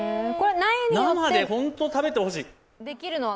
生で本当に食べてほしい。